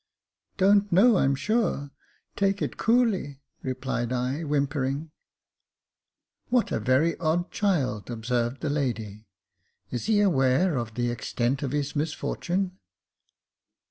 "Don't know, I'm sure. Take it coolly," replied I, whimpering. "What a very odd child !" observed the lady. " Is he aware of the extent of his misfortune